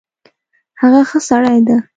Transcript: هغه ښه سړی ده